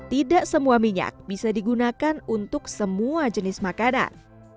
tidak semua minyak bisa digunakan untuk semua jenis makanan